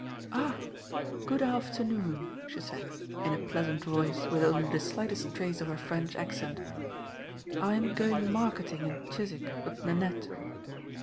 "Ah! Good afternoon," she said, in a pleasant voice, with only the slightest trace of a French accent. "I am going marketing in Chiswick with Nanette.